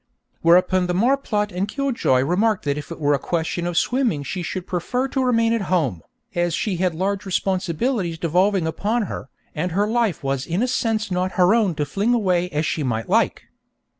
Whereupon the marplot and killjoy remarked that if it were a question of swimming she should prefer to remain at home, as she had large responsibilities devolving upon her, and her life was in a sense not her own to fling away as she might like.